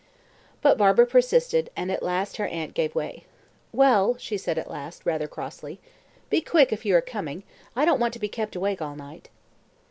But Barbara persisted, and at last her aunt gave way. "Well," she said at last, rather crossly, "be quick if you are coming. I don't want to be kept awake all night."